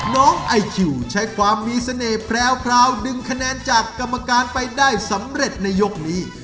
น้องไอชิวใช้ความมีเสน่ห์แพรวดึงคะแนนจากกรรมการไปได้สำเร็จในยกนี้